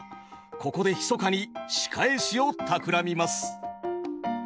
ここでひそかに仕返しをたくらみます。